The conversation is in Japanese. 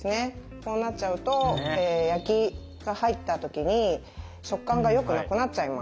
こうなっちゃうと焼きが入った時に食感がよくなくなっちゃいます。